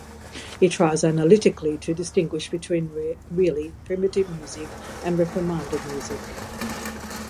He tries analytically to distinguish between really primitive music and reprimanded music.